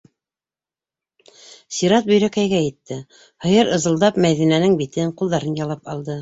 Сират Бөйрәкәйгә етте. һыйыр, ызылдап, Мәҙинәнең битен, ҡулдарын ялап алды.